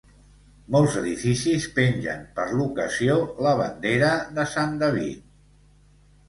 Molts edificis pengen per l'ocasió la bandera de Sant David.